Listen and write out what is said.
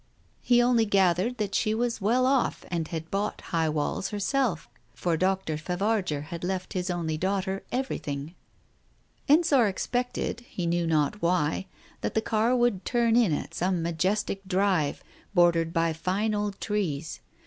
He only gathered that she was well off and had bought High Walls herself, for Dr. Favarger had left his only daughter everything. Digitized by Google THE TIGER SKIN 259 Ensor expected, he knew not why, that the car would turn in at some majestic drive, bordered by fine old trees.